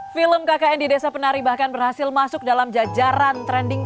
film kkn di desa penari bahkan berhasil masuk dalam jajaran trending